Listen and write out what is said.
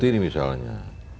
ya seperti ini misalnya